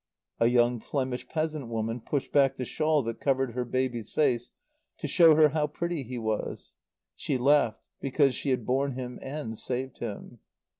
A young Flemish peasant woman pushed back the shawl that covered her baby's face to show her how pretty he was; she laughed because she had borne him and saved him.